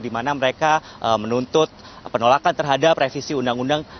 di mana mereka menuntut penolakan terhadap revisi undang undang